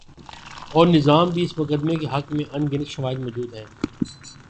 اورنظام بھی اس مقدمے کے حق میں ان گنت شواہد مو جود ہیں۔